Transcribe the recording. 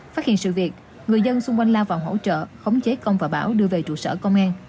phát hiện sự việc người dân xung quanh lao vào hỗ trợ khống chế công và bảo đưa về trụ sở công an